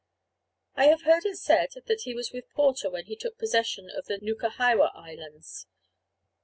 I have heard it said that he was with Porter when he took possession of the Nukahiwa Islands.